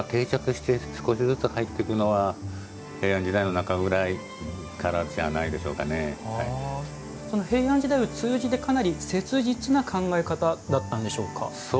定着して少しずつ入ってくるのは平安時代の中ごろぐらいからじゃその平安時代を通じてかなり切実な考え方だったんでしょうか。